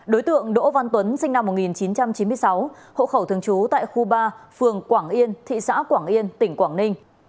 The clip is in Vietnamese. đối tượng đỗ văn tuấn sinh năm một nghìn chín trăm chín mươi sáu hộ khẩu thường trú tại khu ba phường quảng yên thị xã quảng yên tỉnh quảng ninh